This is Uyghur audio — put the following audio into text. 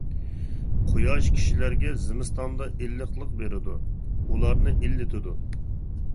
قۇياش كىشىلەرگە زىمىستاندا ئىللىقلىق بېرىدۇ، ئۇلارنى ئىللىتىدۇ.